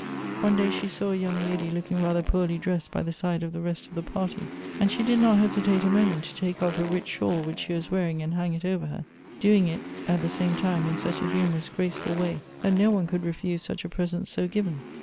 One day she saw a young lady looking rather poorly dressed by the side of the rest of the party, and she did not hesitate a moment to take off a rich shawl which she was wearing and hang it over her, — doing it, at the same Elective Affinities. 187 ti.ne, in such a humorous, graceful way that no one could refuse such a present so given.